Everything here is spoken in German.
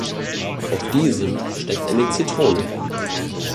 Auf diesem steckt eine Zitrone.